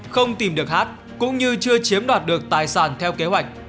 không tìm được hát cũng như chưa chiếm đoạt được tài sản theo kế hoạch